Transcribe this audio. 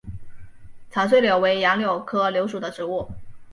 长穗柳为杨柳科柳属的植物。